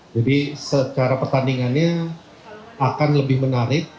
jadi secara pertandingannya akan lebih menarik